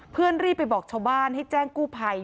เพื่อนรีบไปบอกชาวบ้านให้แจ้งกู้ไผ่